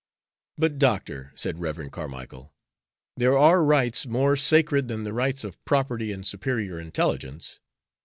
"But, Doctor," said Rev. Carmicle, "there are rights more sacred than the rights of property and superior intelligence."